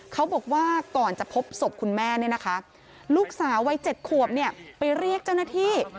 เขาบอกว่าก่อนจะพบศพคุณแม่เนี่ยนะคะลูกสาววัย๗ขวบไปเรียกเจ้าหน้าที่